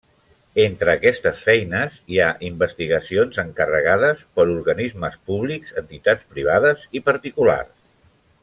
Entre aquestes feines, hi ha investigacions encarregades per organismes públics, entitats privades i particulars.